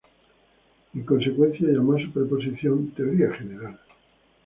En consecuencia llamó a su proposición "Teoría general".